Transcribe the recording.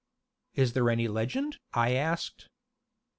"Is there any legend?" I asked.